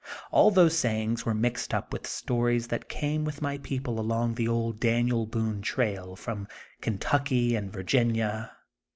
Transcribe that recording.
All those sayings were mixed up with stories that came with my people along the old Daniel Boone trail from Kentucky and Virginia.